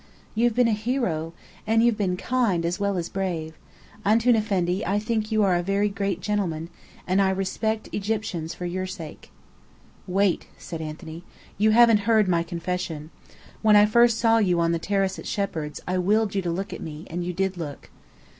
You've been a hero. And you've been kind as well as brave. Antoun Effendi, I think you are a very great gentleman, and I respect Egyptians for your sake." "Wait!" said Anthony. "You haven't heard my confession. When I first saw you on the terrace at Shepheard's, I willed you to look at me, and you did look."